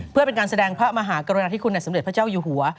เพื่อเป็นการแสดงพระมหากรณาธิคุณในสมเด็จพระเจ้าอยู่หัว